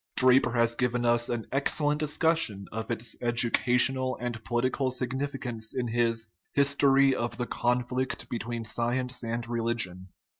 Draper has given us an excellent discussion of its educational and political significance in his His tory of the Conflict between Science and Religion.